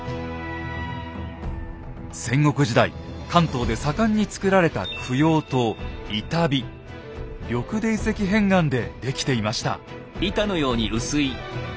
戦国時代関東で盛んにつくられた供養塔緑泥石片岩で出来ていました。